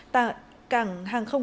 tại cảng hàng không